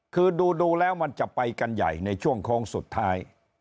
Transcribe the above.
คือดูแล้วมันจะไปกันใหญ่ในช่วงโค้งสุดท้าย